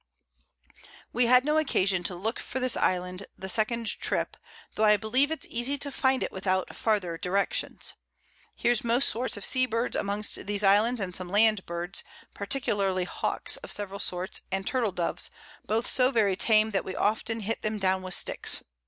We had no occasion to look for this Island the second Trip, tho' I believe it's easy to find it without farther Directions. Here's most sorts of Sea Birds amongst these Islands and some Land Birds, particularly Hawks of several sorts, and Turtle Doves, both so very tame that we often hit them down with Sticks.